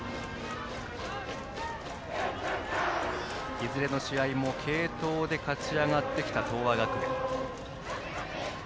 いずれの試合も継投で勝ち上がってきた東亜学園。